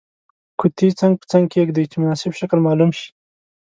قطي څنګ په څنګ کیږدئ چې مناسب شکل معلوم شي.